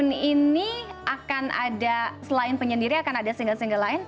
jadi ini selain penyendiri akan ada single single lain